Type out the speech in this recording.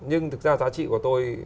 nhưng thực ra giá trị của tôi